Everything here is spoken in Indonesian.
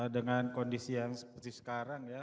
dengan kondisi yang seperti sekarang ya